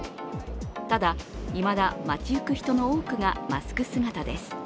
ただ、いまだ街行く人の多くがマスク姿です。